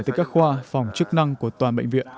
từ các khoa phòng chức năng của toàn bệnh viện